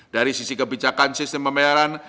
dari sisi kebijakan sistem pembayaran